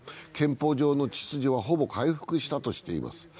憲法上の秩序は、ほぼ回復したとしています。